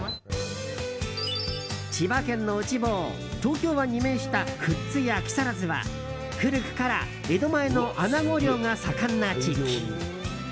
千葉県の内房、東京湾に面した富津や木更津は古くから江戸前のアナゴ漁が盛んな地域。